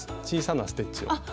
小さなステッチを。